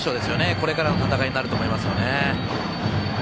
これからの戦いになると思います。